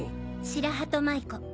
白鳩舞子